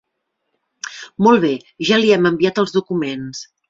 Molt bé, ja li hem enviat els documents.